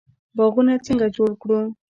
باغونه څنګه جوړ کړو؟